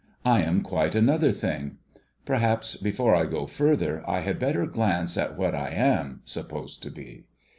I am quite another thing. Perhaps before I go further, I had better glance at what I am supposed to be.